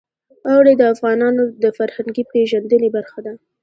اوړي د افغانانو د فرهنګي پیژندنې برخه ده.